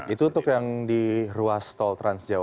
itu untuk yang di ruas tol transjawa